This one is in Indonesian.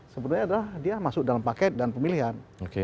sebenarnya adalah dia masuk dalam paket dan pemilihan